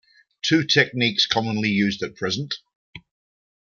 Two techniques commonly used at present.